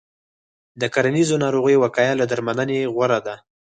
د کرنیزو ناروغیو وقایه له درملنې غوره ده.